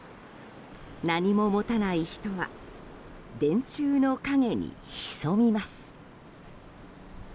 何も持たない人は電柱の陰にひそみます。